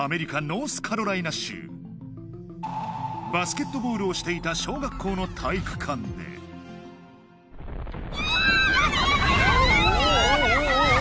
方法でしたバスケットボールをしていた小学校の体育館でキャーッ！